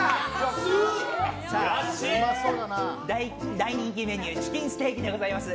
大人気メニューチキンステーキでございます。